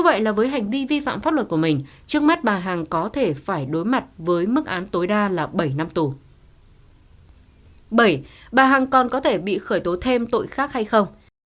bảy bà hằng còn có thể bị khởi tố thêm tội khác hay không